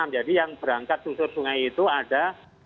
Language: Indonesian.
jadi yang berangkat susur sungai itu ada dua ratus lima puluh